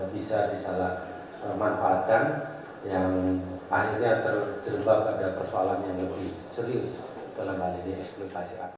bisa disalah manfaatkan yang akhirnya terjebak pada persoalan yang lebih serius dalam hal ini eksploitasi